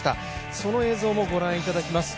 その映像もご覧いただきます。